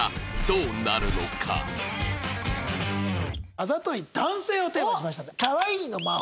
あざとい男性をテーマにしましたので。